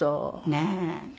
ねえ。